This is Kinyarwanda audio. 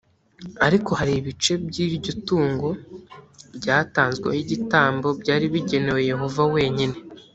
ariko hari ibice by’iryo tungo ryatanzweho igitambo byari bigenewe yehova wenyine